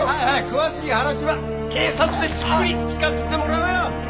詳しい話は警察でじっくり聞かせてもらうよ。